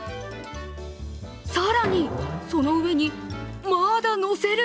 更に、その上にまだのせる！